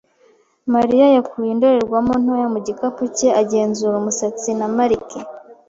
Mariya yakuye indorerwamo ntoya mu gikapu cye, agenzura umusatsi na marike.